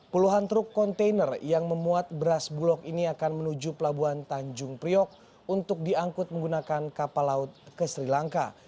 puluhan truk kontainer yang memuat beras bulog ini akan menuju pelabuhan tanjung priok untuk diangkut menggunakan kapal laut ke sri lanka